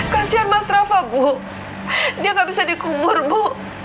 kasian mas rafa ibu dia gak bisa dikubur ibu